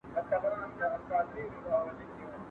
¬ پورته گورم پړانگ دئ، کښته گورم پاڼ دئ.